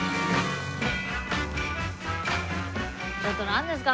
ちょっと何ですか？